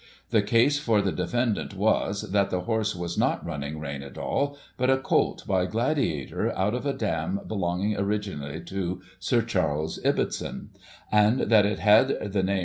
The case for the defendant was, that the horse was not Running Rein at all, but a colt by Gladiator, out of a dam belonging originally to Sir Charles Ibbotson ; and that it had the name.